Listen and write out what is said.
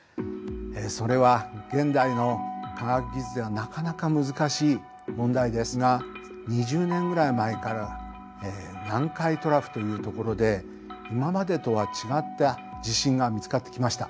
それは現代の科学技術ではなかなか難しい問題ですが２０年ぐらい前から南海トラフという所で今までとは違った地震が見つかってきました。